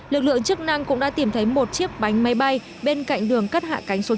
lực lượng chức năng cũng đã tìm thấy một chiếc bánh máy bay bên cạnh đường cất hạ cánh số chín